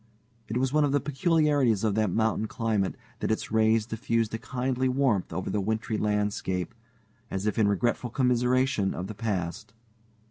It was one of the peculiarities of that mountain climate that its rays diffused a kindly warmth over the wintry landscape, as if in regretful commiseration of the past.